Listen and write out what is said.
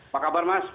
pak kabar mas